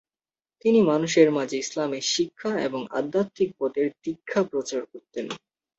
তিনি মানুষের মাঝে ইসলামের শিক্ষা এবং আধ্যাত্বিক পথের দীক্ষা প্রচার করতেন।